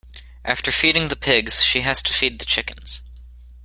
After feeding the pigs, she has to feed the chickens.